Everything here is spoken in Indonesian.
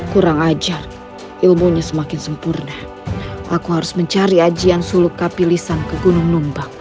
kurang ajar ilmunya semakin sempurna aku harus mencari ajian suluk kapilisan ke gunung numbak